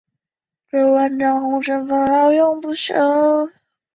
玩家的主要任务是从战俘营拯救战俘。